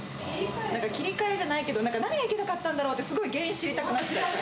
なんか切り替えじゃないけど、何がいけなかったんだろうって、すごい原因知りたくなっちゃうタイプ。